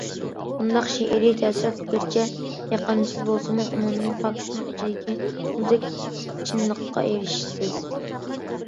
بۇنداق شېئىرىي تەسىرات گەرچە يېقىمسىز بولسىمۇ، ئۇنىڭدىن پاكىتنىڭ ئىچىدىكى مۇزدەك چىنلىققا ئېرىشىسىز.